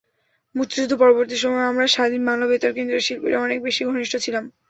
মুক্তিযুদ্ধ-পরবর্তী সময়েও আমরা স্বাধীন বাংলা বেতার কেন্দ্রের শিল্পীরা অনেক বেশি ঘনিষ্ঠ ছিলাম।